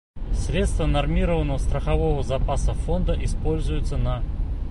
Средства нормированного страхового запаса Фонда используются на: